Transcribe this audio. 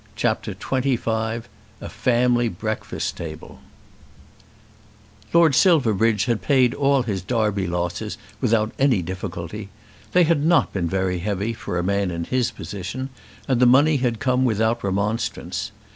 CHAPTER XXV A Family Breakfast Table Lord Silverbridge had paid all his Derby losses without any difficulty. They had not been very heavy for a man in his position, and the money had come without remonstrance.